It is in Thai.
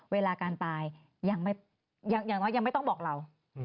เวลาการตายยังไม่ต้องบอกเรา